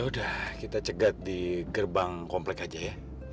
udah kita cegat di gerbang komplek aja ya